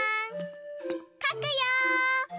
かくよ！